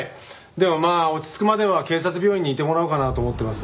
でもまあ落ち着くまでは警察病院にいてもらおうかなと思ってます。